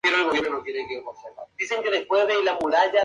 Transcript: Se caracteriza por contener estancias, chacras y asentamientos ilegales.